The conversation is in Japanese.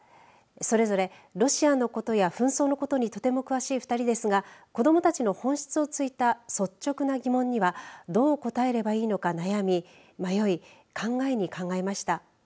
それぞれロシアのことや紛争のことにとても詳しい２人ですが子どもたちの本質を突いた率直な疑問にはどう答えればいいのか悩み、迷い考えに考えました。